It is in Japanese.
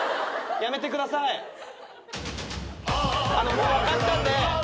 もう分かったんで。